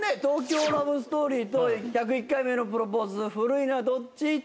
『東京ラブストーリー』と『１０１回目のプロポーズ』古いのはどっち？